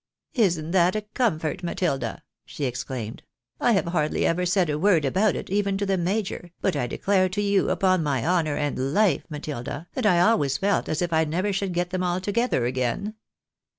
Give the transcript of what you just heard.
"Isn't that a comfort, MatUda?" she exclaimed. "I have hardly ever said a word about it, even to the major, but I declare to you, upon my honour and life, Matilda, that I always felt as if I never should get them all together again."